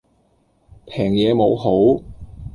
平嘢冇好